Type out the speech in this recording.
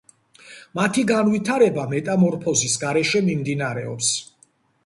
მათი განვითარება მეტამორფოზის გარეშე მიმდინარეობს.